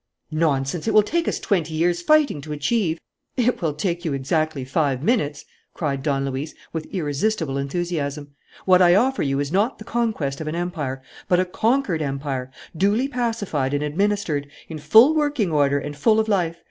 "Nonsense! It will take us twenty years' fighting to achieve." "It will take you exactly five minutes!" cried Don Luis, with irresistible enthusiasm. "What I offer you is not the conquest of an empire, but a conquered empire, duly pacified and administered, in full working order and full of life.